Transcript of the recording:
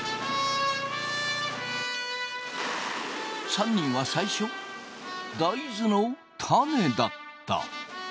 ３人は最初大豆の種だった。